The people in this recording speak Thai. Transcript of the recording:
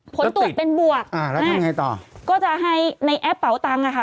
ผลตรวจเป็นบวกนี่ก็จะให้ในแอปเป๋าตังค์อะค่ะ